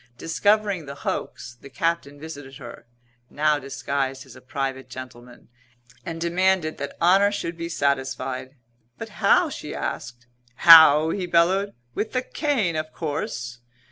Discovering the hoax, the Captain visited her (now disguised as a private gentleman) and demanded that honour should be satisfied. "But how?" she asked. "How?" he bellowed. "With the cane of course!"